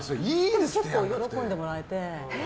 結構喜んでもらえて。